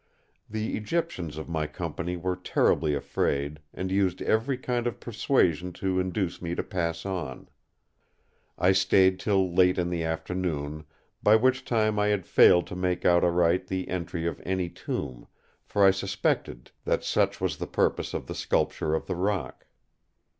The Egyptians of my company were terribly afraid, and used every kind of persuasion to induce me to pass on. I stayed till late in the afternoon, by which time I had failed to make out aright the entry of any tomb, for I suspected that such was the purpose of the sculpture of the rock.